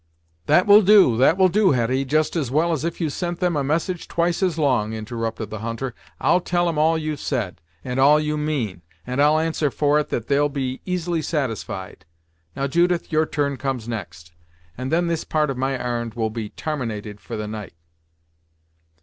"That will do that will do, Hetty, just as well as if you sent them a message twice as long," interrupted the hunter. "I'll tell 'em all you've said, and all you mean, and I'll answer for it that they'll be easily satisfied. Now, Judith, your turn comes next, and then this part of my ar'n'd will be tarminated for the night."